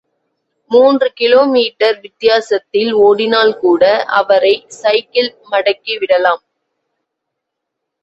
மூன்று kilometre வித்தியாசத்தில் ஓடினால்கூட, அவரை, சைக்கிள் மடக்கி விடலாம்.